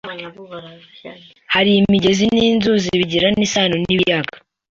Hari imigezi n’inzuzi bigirana isano n’ibiyaga